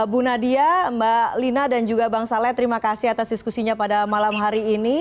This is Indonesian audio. bu nadia mbak lina dan juga bang saleh terima kasih atas diskusinya pada malam hari ini